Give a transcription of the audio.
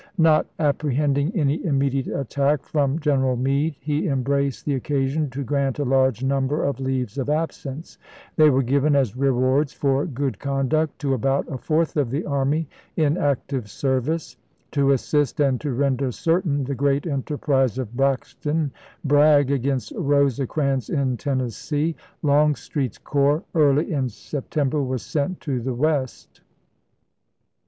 Not apprehending any immediate attack from Greneral Meade, he embraced the occasion to grant a large number of leaves of absence; they were given as rewards for good conduct to about a fourth of the army in active service. To assist and to render certain the gi'eat enterprise of Braxton Bragg against Rosecrans in Tennessee, Longstreet's corps, early in September, was sent to the West.